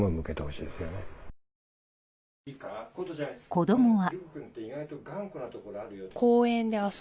子供は。